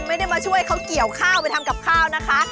ไม่ได้มาช่วยเขาเกี่ยวข้าวไปทำกับข้าวนะคะ